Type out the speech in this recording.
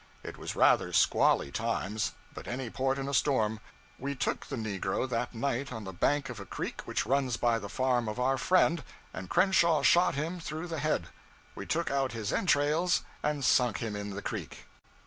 It was rather squally times, but any port in a storm: we took the negro that night on the bank of a creek which runs by the farm of our friend, and Crenshaw shot him through the head. We took out his entrails and sunk him in the creek.